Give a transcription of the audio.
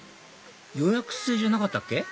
予約制じゃなかったっけ？